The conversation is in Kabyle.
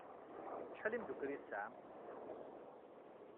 Acḥal n yimeddukal ay tesɛam?